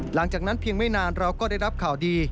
หลังจากนั้นเพียงไม่นานเราก็ได้รับข่าวดี